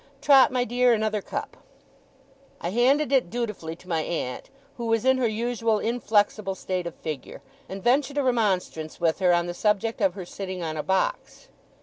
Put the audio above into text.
Trot, my dear, another cup.' I handed it dutifully to my aunt, who was in her usual inflexible state of figure; and ventured a remonstrance with her on the subject of her sitting on a box.